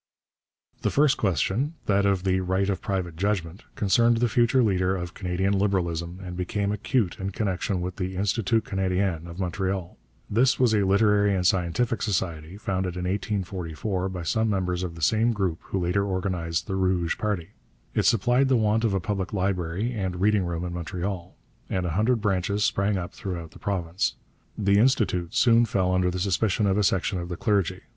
The first question, that of the right of private judgment, concerned the future leader of Canadian Liberalism and became acute in connection with the Institut Canadien of Montreal. This was a literary and scientific society, founded in 1844 by some members of the same group who later organized the Rouge party. It supplied the want of a public library and reading room in Montreal, and a hundred branches sprang up throughout the province. The Institut soon fell under the suspicion of a section of the clergy.